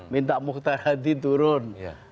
minta muhtar hadi turun